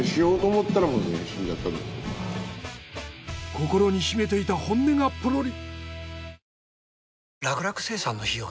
心に秘めていた本音がポロリ。